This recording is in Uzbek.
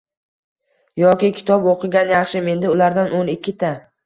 Yoki kitob oʻqigan yaxshi, menda ulardan oʻn ikkita.